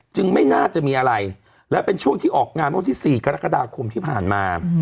ไม่น่าจะมีอะไรและเป็นช่วงที่ออกงานเมื่อวันที่๔กรกฎาคมที่ผ่านมา